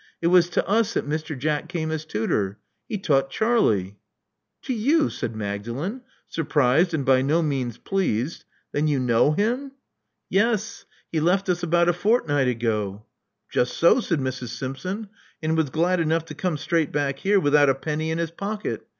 It was to us that Mr. Jack came as tutor. He taught Charlie.*' To you!'* said Magdalen, surprised and by no means pleased. Then you know him?*' Yes. He left us about a fortnight ago." Just so," said Mrs. Simpson, *'and was glad enough to come straight back here without a penny in his pocket.